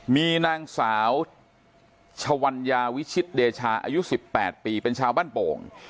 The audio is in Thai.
มีนางสาวชวัญญาวิชิตเดชาอายุ๑๘ปีเป็นชาวบ้านโป่ง